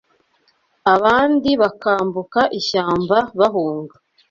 Abandi bakambuka ishyamba bahunga